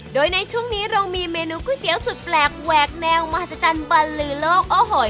โดยในช่วงนี้เรามีเมนูก๋วยเตี๋ยวสุดแปลกแหวกแนวมหัศจรรย์บันลือโลกโอ้โห